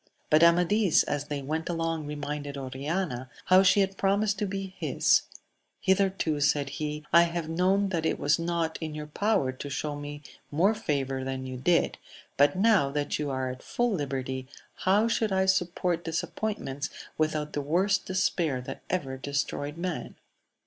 But Amadis as they went along reminded Oiioiiai \iow she had promised to be his; Hitherto, saii \i^,\ V^^^ Y\iq^tl 'vJwaX^^^^^ ^k:Jv^\j^ AMADIS OF GAUL. 197 your power to show me more favour than you did ; but now that you are at full liberty, how should I support disappointments without the worst despair that ever destroyed man